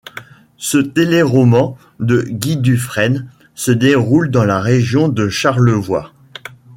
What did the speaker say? Ce téléroman de Guy Dufresne se déroule dans la région de Charlevoix.